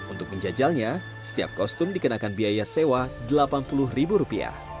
untuk menjajalnya setiap kostum dikenakan biaya sewa rp delapan puluh